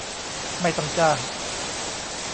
ไม่ต้องจ้าง